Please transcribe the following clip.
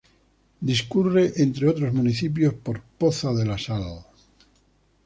Discurre entre otros municipios por Poza de la Sal.